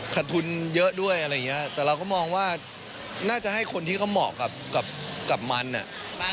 ทุนเยอะด้วยอะไรอย่างเงี้ยแต่เราก็มองว่าน่าจะให้คนที่เขาเหมาะกับมันอ่ะ